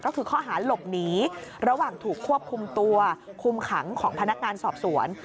ก็คือข้อหาหลบหนีระหว่างถูกควบคุมตัวคุมขังของพนักงานสอบสวน